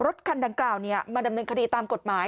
รถคันดังกล่าวมาดำเนินคดีตามกฎหมาย